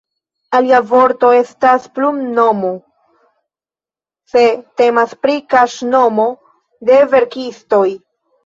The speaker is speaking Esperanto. Alia vorto estas "plumnomo", se temas pri kaŝnomo de verkistoj.